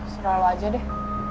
sera lo aja deh